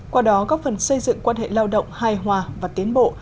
qua đó góp phần xây dựng quan hệ lao động hài hòa và tiến bộ